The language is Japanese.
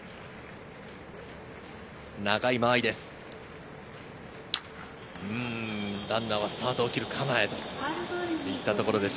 長い間合いです。